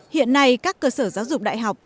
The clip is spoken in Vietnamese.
hiện nay các cơ sở giáo dục đại học